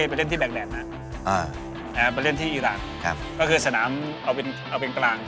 ไปเล่นที่อิรันก็คือสนามเอาเป็นกลาง